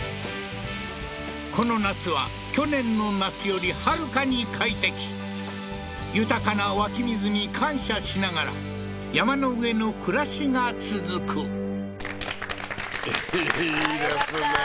この夏は去年の夏よりはるかに快適豊かな湧き水に感謝しながら山の上の暮らしが続くいいですね